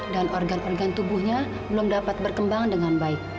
dan organ organ tubuhnya belum dapat berkembang dengan baik